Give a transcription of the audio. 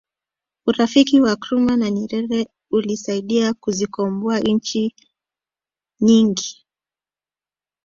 urafiki wa nkrumah na nyerere ulisaidia kuzikomboa nchi nyingi